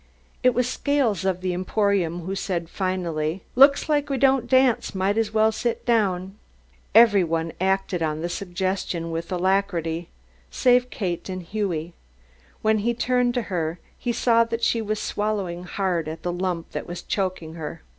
It was Scales of the Emporium who said, finally: "Looks like we don't dance might as well sit down." Every one acted on the suggestion with alacrity save Kate and Hughie. When he turned to her, he saw that she was swallowing hard at the lump that was choking her.